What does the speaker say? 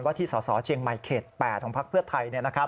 ว่าที่สาวเจียงใหม่เขต๘ของภักดิ์เพื่อไทย